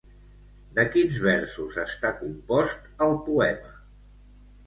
De quins versos està compost el poema?